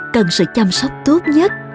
cần sự chăm sóc tốt nhất